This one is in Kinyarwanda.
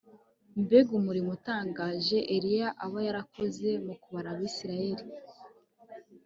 Mbega umurimo utangaje Eliya aba yarakoze mu kubara Abisirayeli